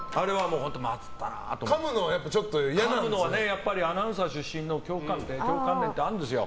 かむのはアナウンサー出身の強迫観念ってあるんですよ。